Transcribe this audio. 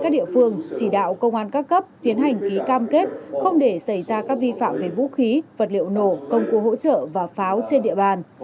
các địa phương chỉ đạo công an các cấp tiến hành ký cam kết không để xảy ra các vi phạm về vũ khí vật liệu nổ công cụ hỗ trợ và pháo trên địa bàn